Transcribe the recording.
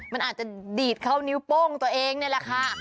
มันอาจจะดีดเข้านิ้วโป้งตัวเองนี่แหละค่ะ